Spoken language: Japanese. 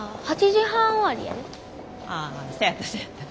あそやったそやった。